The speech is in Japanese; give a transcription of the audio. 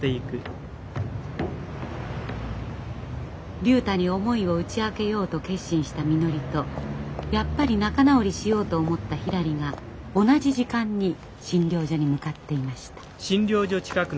竜太に思いを打ち明けようと決心したみのりとやっぱり仲直りしようと思ったひらりが同じ時間に診療所に向かっていました。